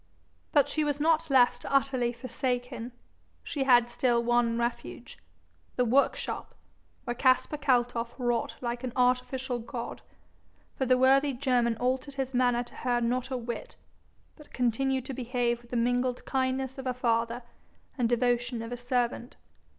But she was not left utterly forsaken; she had still one refuge the workshop, where Caspar Kaltoff wrought like an 'artificial god;' for the worthy German altered his manner to her not a whit, but continued to behave with the mingled kindness of a father and devotion of a servant.